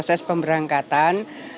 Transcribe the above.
kita berada di jawa timur